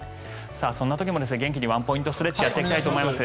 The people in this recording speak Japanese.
そんな時も元気にワンポイントストレッチをやっていきたいと思います。